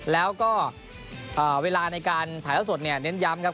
แล้วก็เวลาในการถ่ายเท่าสดเนี่ยเน้นย้ำครับ